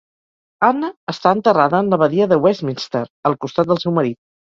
Anna està enterrada en l'Abadia de Westminster al costat del seu marit.